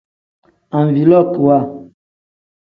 Anvilookiwa.